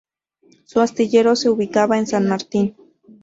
Su astillero se ubicaba en San Martín.